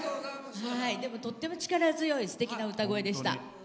でも、とっても力強いすてきな歌声でした。